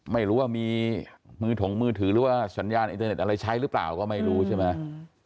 ไม่รู้ว่ามีมือถงมือถือหรือว่าสัญญาณอินเทอร์เน็ตอะไรใช้หรือเปล่าก็ไม่รู้ใช่ไหม